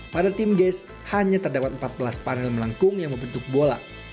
pada tim gas hanya terdapat empat belas panel melengkung yang membentuk bola